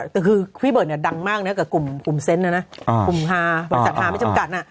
แต่คือพี่เบิร์ตเนี่ยดังมากเนี่ยกับกลุ่มเซ็นต์นะบริษัทธาไม่จำกัด